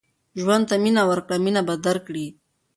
ژوند ته مینه ورکړه مینه به درکړي